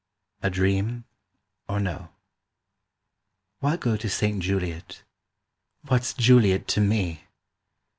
A DREAM OR NO WHY go to Saint Juliot? What's Juliot to me?